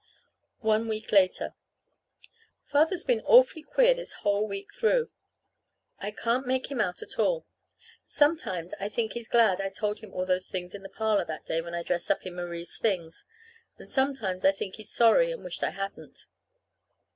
One week later. Father's been awfully queer this whole week through. I can't make him out at all. Sometimes I think he's glad I told him all those things in the parlor that day I dressed up in Marie's things, and sometimes I think he's sorry and wished I hadn't.